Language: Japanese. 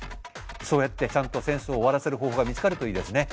そうやってちゃんと戦争を終わらせる方法が見つかるといいですね。